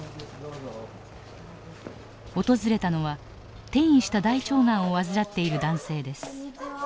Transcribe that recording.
訪れたのは転移した大腸がんを患っている男性です。